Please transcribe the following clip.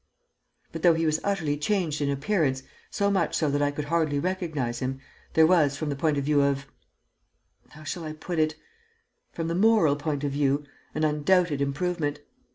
But, though he was utterly changed in appearance, so much so that I could hardly recognize him, there was, from the point of view of how shall I put it? from the moral point of view, an undoubted improvement.